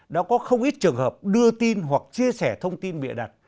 đã có không ít trường hợp đưa tin hoặc chia sẻ thông tin bịa đặt